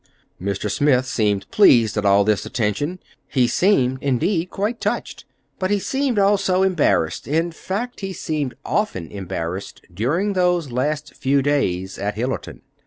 Mr. Smith seemed pleased at all this attention—he seemed, indeed, quite touched; but he seemed also embarrassed—in fact, he seemed often embarrassed during those last few days at Hillerton.